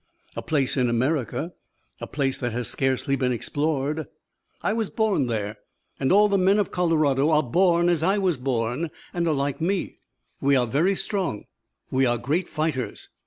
"A place in America. A place that has scarcely been explored. I was born there. And all the men of Colorado are born as I was born and are like me. We are very strong. We are great fighters.